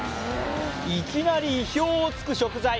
いきなり意表をつく食材